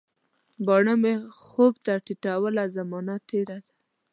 باڼه مي خوب ته ټیټوله، زمانه تیره ده